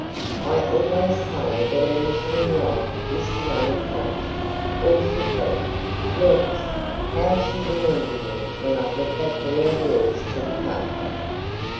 I always tell her that her mission in life is to run a creche or should be. Lawks! How she will envy me when I get that boy of yours to look after!"